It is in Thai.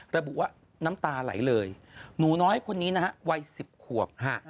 ระบุว่าน้ำตาไหลเลยหนูน้อยคนนี้นะฮะวัย๑๐ขวบ